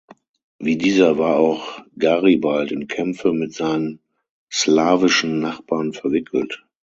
Wie dieser war auch Garibald in Kämpfe mit seinen slawischen Nachbarn verwickelt.